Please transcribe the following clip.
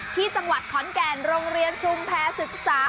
ที่จังหวัดขอนแก่นโรงเรียนชุมแพรศึกษา